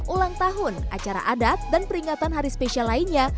ulang tahun acara adat dan peringatan hari spesial lainnya